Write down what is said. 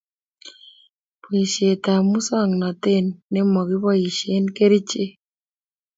Boishet ab musongnotet nemokiboishe kerichek